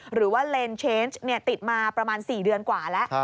หรือว่าเลนเชนส์ติดมาประมาณ๔เดือนกว่าแล้ว